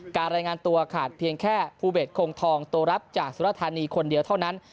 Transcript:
รายงานตัวขาดเพียงแค่ภูเบสโคงทองตัวรับจากสุรธานีคนเดียวเท่านั้น